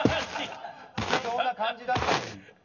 しそうな感じだったのに。